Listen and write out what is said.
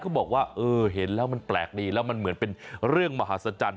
บอกว่าเออเห็นแล้วมันแปลกดีแล้วมันเหมือนเป็นเรื่องมหัศจรรย์